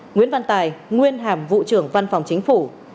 nguyễn văn tài nguyên hàm vụ trưởng văn phòng chính phủ